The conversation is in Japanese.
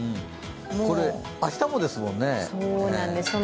これは明日もですもんね。